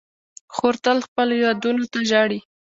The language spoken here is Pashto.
خور تل خپلو یادونو ته ژاړي.